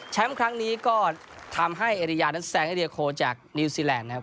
ครั้งนี้ก็ทำให้เอริยานั้นแซงให้เดียโคจากนิวซีแลนด์นะครับ